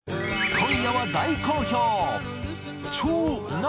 今夜は大好評！